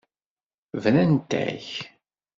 Brant-ak.